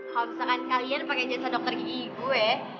kalo misalkan kalian pake jasa dokter gigi gue